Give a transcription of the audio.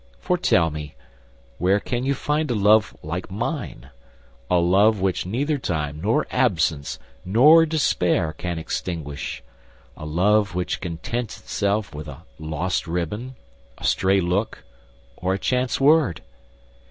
For tell me, where can you find a love like mine—a love which neither time, nor absence, nor despair can extinguish, a love which contents itself with a lost ribbon, a stray look, or a chance word?